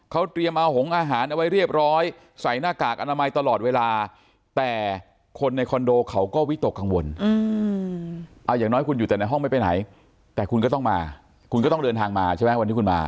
เขาเตรียมเอาหงอาหารเอาไว้เรียบร้อยใส่หน้ากากอนามัยตลอดเวลาแต่คนในคอนโดเขาก็วิตกกังวลเอาอย่างน้อยคุณอยู่แต่ในห้องไม่ไปไหนแต่คุณก็ต้องมาคุณก็ต้องเดินทางมาใช่ไหมวันที่คุณมา